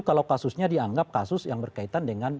kalau kasusnya dianggap kasus yang berkaitan dengan